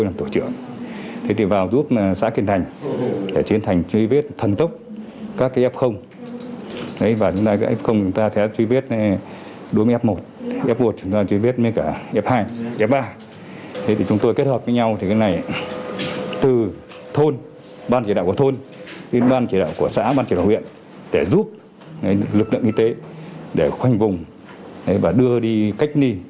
lực lượng y tế để khoanh vùng và đưa đi cách ni